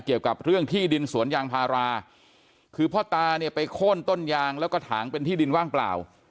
เกี่ยวกับเรื่องที่ดินสวนยางพาราคือพ่อตาเนี่ยไปโค้นต้นยางแล้วก็ถางเป็นที่ดินว่างเปล่า